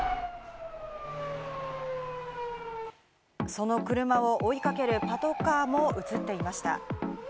その車を追いかけるパトカーも映っていました。